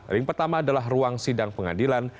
ring pertama adalah ruang sidang pengadilan